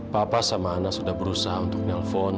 papa sama anak sudah berusaha untuk nelfon